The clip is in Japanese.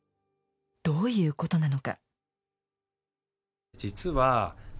どういうことなのか。